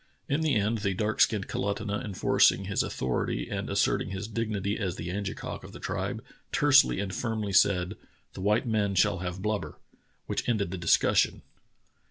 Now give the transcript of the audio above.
In the end the dark skinned Kalutunah, enforcing his authority and assert ing his dignity as the Angekok of the tribe, tersely and firmly said: "The white man shall have blubber!'* which ended the discussion.